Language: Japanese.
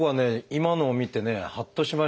今のを見てねはっとしました。